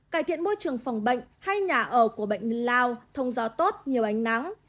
cải thiện môi trường phòng bệnh hay nhà ở của bệnh nhân lao thông gió tốt nhiều ánh nắng